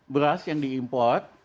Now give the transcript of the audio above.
beras yang diimport